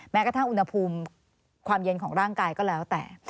แม้กระทั่งอุณหภูมิความเย็นของร่างกายก็แล้วแต่